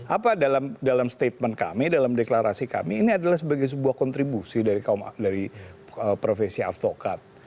apa dalam statement kami dalam deklarasi kami ini adalah sebagai sebuah kontribusi dari profesi advokat